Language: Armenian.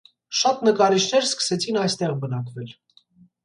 Շատ նկարիչներ սկսեցին այստեղ բնակվել։